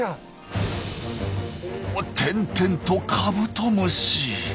お点々とカブトムシ。